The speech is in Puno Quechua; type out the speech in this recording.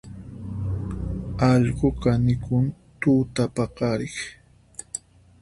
Allqu kanikun tutapaqariq